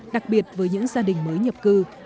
đặc biệt với những gia đình mới nhập cư